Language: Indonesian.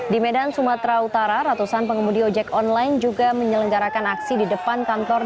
di medan sumatera utara ratusan pengemudi ojek online juga menyelenggarakan aksi di depan kantor